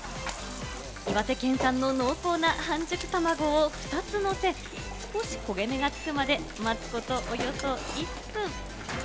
岩手県産の濃厚な半熟卵を２つのせ、少し焦げ目がつくまで、待つことおよそ１分。